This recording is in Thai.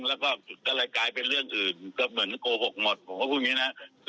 แล้วก็ก็เลยกลายเป็นเรื่องอื่นก็เหมือนโกหกหมดผมก็พูดอย่างนี้นะ